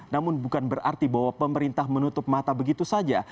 namun bukan berarti bahwa pemerintah menutup mata begitu saja